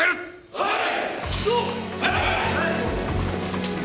はい！